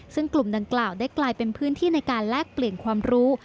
ซึ่งกลุ่มดังกล่าวได้กลายเป็นพื้นที่ในการแลกเปลี่ยนความรู้